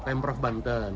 karena pemprov banten